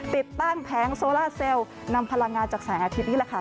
ติดตั้งแผงโซล่าเซลล์นำพลังงานจากแสงอาทิตย์นี่แหละค่ะ